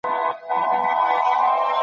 ستاسو په ژوند کي به نظم او ډیسپلین راسي.